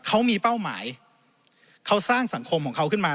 เขามีเป้าหมายเขาสร้างสังคมของเขาขึ้นมา